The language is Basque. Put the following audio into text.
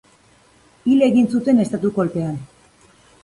Hil egin zuten estatu kolpean.